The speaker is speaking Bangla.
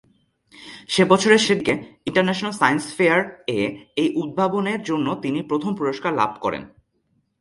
সে বছরের শেষের দিকে "ইন্টারন্যাশনাল সাইন্স ফেয়ার"-এ এই উদ্ভাবনের জন্য তিনি প্রথম পুরস্কার লাভ করেন।